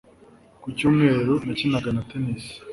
Ku cyumweru, nakinaga na tennis.